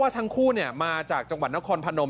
ทั้งคู่มาจากจังหวัดนครพนม